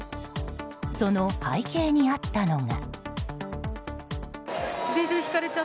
その背景にあったのが。